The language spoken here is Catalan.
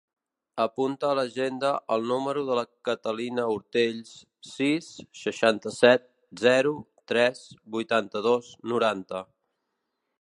Apunta a l'agenda el número de la Catalina Ortells: sis, seixanta-set, zero, tres, vuitanta-dos, noranta.